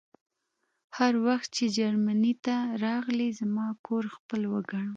هر وخت چې جرمني ته راغلې زما کور خپل وګڼه